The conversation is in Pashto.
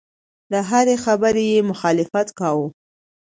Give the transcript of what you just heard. د هرې خبرې یې مخالفت کاوه.